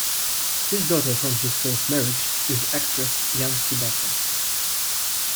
His daughter from his first marriage is actress Yancy Butler.